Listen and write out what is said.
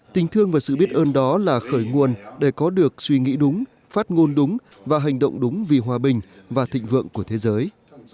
tình thương và sự biết ơn đó là khởi nguồn để có được suy nghĩ đúng phát ngôn đúng và hành động đúng vì hòa bình và thịnh vượng của thế giới